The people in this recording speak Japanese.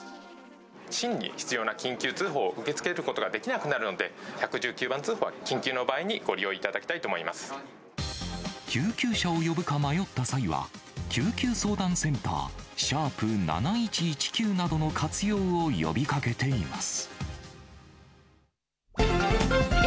真に必要な緊急通報を受け付けることができなくなるので、１１９番通報は緊急の場合にご利救急車を呼ぶか迷った際は、救急相談センター、＃７１１９などの活用を呼びかけています。